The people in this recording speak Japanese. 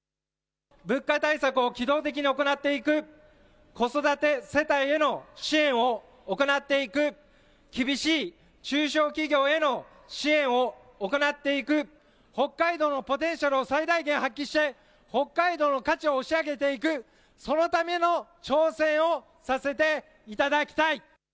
物価対策を機動的に行っていく、子育て世帯への支援を行っていく、厳しい中小企業への支援を行っていく、北海道のポテンシャルを最大限発揮して北海道の価値を押し上げていく、そのための挑戦をさせていただきたい。